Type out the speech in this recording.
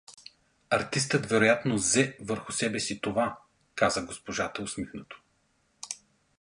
Артистът вероятно зе върху себе си това — каза госпожата усмихнато.